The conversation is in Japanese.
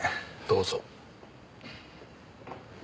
どうぞ。